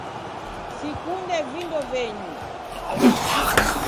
Sikunde vindo venyu